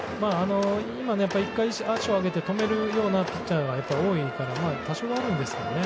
１回足を上げて止めるようなピッチャーが多いですから多少はあるんですがね。